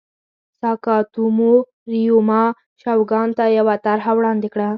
ساکاتومو ریوما شوګان ته یوه طرحه وړاندې کړه.